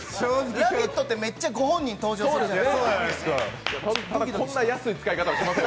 「ラヴィット！」！ってめっちゃ本人登場するじゃないですか。